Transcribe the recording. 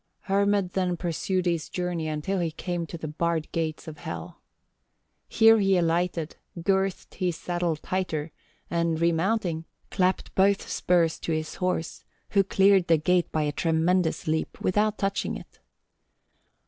"Hermod then pursued his journey until he came to the barred gates of Hel. Here he alighted, girthed his saddle tighter, and remounting, clapped both spurs to his horse, who cleared the gate by a tremendous leap without touching it.